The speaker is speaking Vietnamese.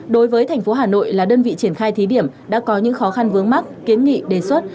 đối với thành phố hà nội là đơn vị triển khai thí điểm đã có những khó khăn vướng mắt kiến nghị đề xuất